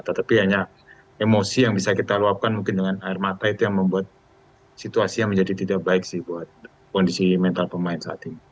tetapi hanya emosi yang bisa kita luapkan mungkin dengan air mata itu yang membuat situasi yang menjadi tidak baik sih buat kondisi mental pemain saat ini